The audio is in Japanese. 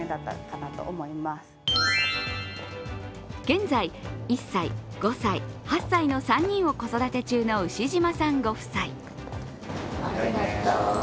現在、１歳、５歳、８歳の３人を子育て中の牛島さんご夫妻。